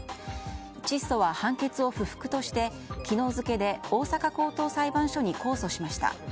チッソは判決を不服として昨日付で大阪高等裁判所に控訴しました。